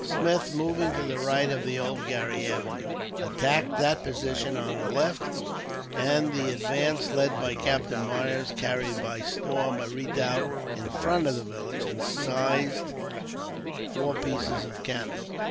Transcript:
Smith, moving to the right of the Oulgarry avenue, attacked that position on the left; and the advance, led by Captain Myers, carried by storm a redoubt in front of the village, and seized four pieces of cannon.